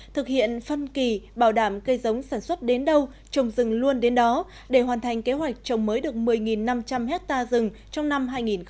thực hiện phân kỳ bảo đảm cây giống sản xuất đến đâu trồng rừng luôn đến đó để hoàn thành kế hoạch trồng mới được một mươi năm trăm linh hectare rừng trong năm hai nghìn hai mươi